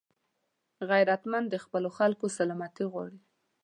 غیرتمند د خپلو خلکو سلامتي غواړي